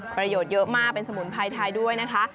ประโยชน์เยอะมากเป็นสมุนไพรไทยด้วยนะคะ